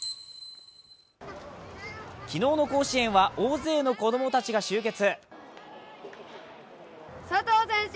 昨日の甲子園は大勢の子供たちが集結。